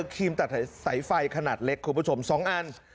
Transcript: ครีมตัดสายไฟขนาดเล็กคุณผู้ชม๒อัน